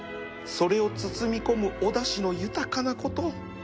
それを包み込むおだしの豊かなこと